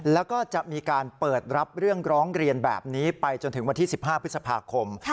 แล้วก็จะมีการเปิดรับเรื่องร้องเรียนแบบนี้ไปจนถึงวันที่๑๕พฤษภาคม